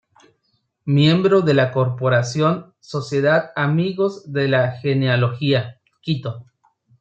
Miembro de la Corporación Sociedad Amigos de la Genealogía, Quito.